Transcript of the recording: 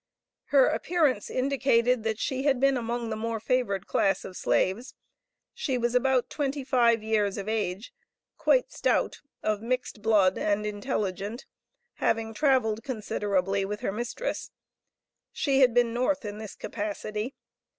Her appearance indicated that she had been among the more favored class of slaves. She was about twenty five years of age, quite stout, of mixed blood, and intelligent, having traveled considerably with her mistress. She had been North in this capacity.